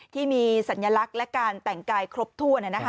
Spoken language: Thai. ที่มีสัญลักษณ์และการแต่งกายครบถ้วน